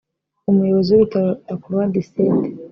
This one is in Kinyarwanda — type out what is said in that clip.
umuyobozi w’ibitaro La Croix Du Sud